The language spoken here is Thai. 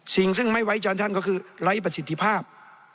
สิ่งซึ่งไม่ไว้ใจท่านก็คือไร้ประสิทธิภาพ